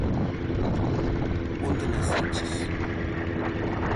Onde naciches?